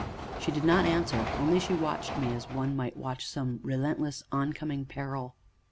She did not answer, only she watched me as one might watch some relentless, oncoming peril.